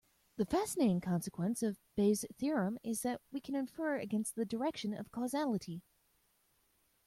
The fascinating consequence of Bayes' theorem is that we can infer against the direction of causality.